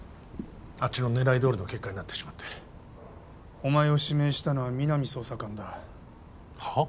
あっちの狙いどおりの結果になってしまってお前を指名したのは皆実捜査官だはっ？